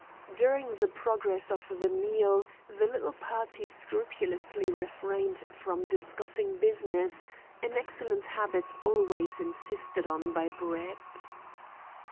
During the progress of the meal the little party scrupulously refrained from discussing business, an excellent habit always insisted on by Brett.